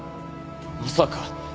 まさか。